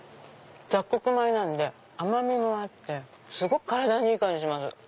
雑穀米なんで甘みもあってすごく体にいい感じします。